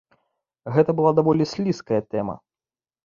Гэта была даволі слізкая тэма.